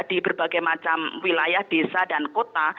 di berbagai macam wilayah desa dan kota